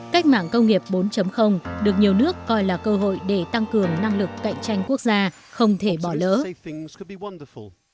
cách mạng công nghiệp bốn được nhiều nước coi là cơ hội để tăng cường năng lực cạnh tranh quốc gia không thể bỏ lỡ